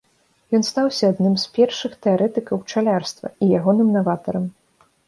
Ён стаўся адным з першых тэарэтыкаў пчалярства і ягоным наватарам.